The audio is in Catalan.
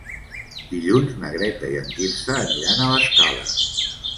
Dilluns na Greta i en Quirze aniran a l'Escala.